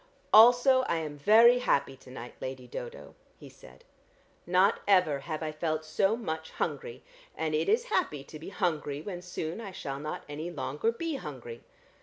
"Also I am very happy to night, Lady Dodo," he said. "Not ever have I felt so much hungry, and it is happy to be hungry when soon I shall not any longer be hungry.